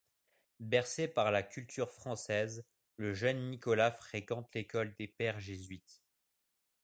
Bercé par la culture française, le jeune Nicolas fréquente l'école des pères jésuites.